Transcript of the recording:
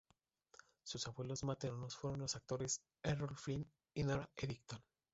Sus abuelos maternos fueron los actores Errol Flynn y Nora Eddington.